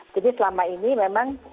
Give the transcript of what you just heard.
jadi selama ini masih banyak yang berpuasa